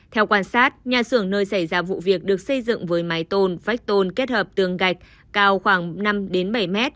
theo quan sát nhà xưởng nơi xảy ra vụ việc được xây dựng với mái tôn vách tôn kết hợp tường gạch cao khoảng năm bảy m